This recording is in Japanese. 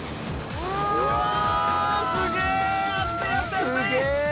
すげえ！